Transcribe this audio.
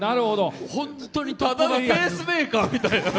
ただのペースメーカーみたいな。